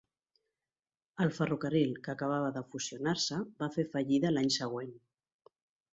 El ferrocarril que acabava de fusionar-se va fer fallida l'any següent.